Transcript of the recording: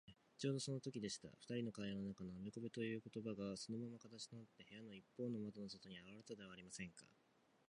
ちょうどそのときでした。ふたりの会話の中のあべこべということばが、そのまま形となって、部屋のいっぽうの窓の外にあらわれたではありませんか。